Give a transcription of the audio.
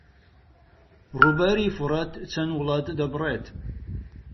ڕووباری فورات چەند وڵات دەبڕێت؟